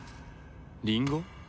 リンゴ？